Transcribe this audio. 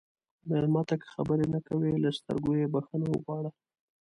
مېلمه ته که خبرې نه کوي، له سترګو یې بخښنه وغواړه.